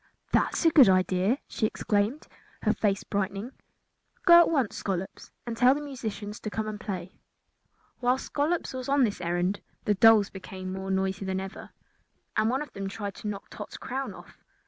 "That is a good idea," she exclaimed, her face brightening. "Go at once, Scollops and tell the musicians to come and play." While Scollops was on this errand the dolls became more noisy than ever, and one of them tried to knock Tot's crown off.